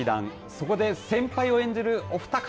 そこで先輩を演じる、お二方